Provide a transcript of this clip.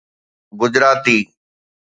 Gujarati